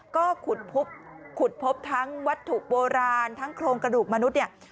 ก็ขุดพบทั้งวัตถุโบราณทั้งโครงกระดูกมนุษย์เนี่ย